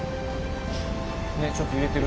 ちょっと揺れてる。